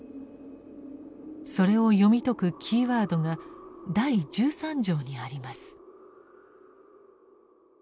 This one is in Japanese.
それを読み解くキーワードが第十三条にあります。